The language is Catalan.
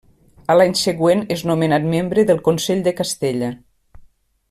A l'any següent és nomenat membre del Consell de Castella.